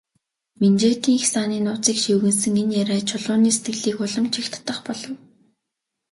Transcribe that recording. Минжээтийн хясааны нууцыг шивгэнэсэн энэ яриа Чулууны сэтгэлийг улам ч их татах болов.